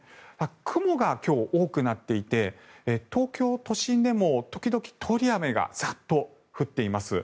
雲が今日、多くなっていて東京都心でも時々、通り雨がザッと降っています。